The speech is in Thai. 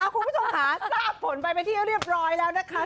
คุณผู้ชมค่ะทราบผลไปเป็นที่เรียบร้อยแล้วนะคะ